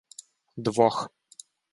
Двох